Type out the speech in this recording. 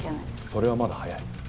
それはまだ早い。